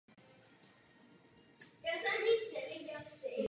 Jeho dramata a písně mu vynesla pověst jednoho z nejlepších mingských autorů.